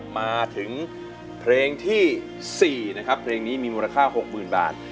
มาถึงเพลงที่๔นะครับเพลงนี้มีมูลค่า๖๐๐๐บาท